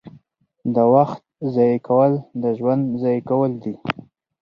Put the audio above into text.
• د وخت ضایع کول ژوند ضایع کول دي.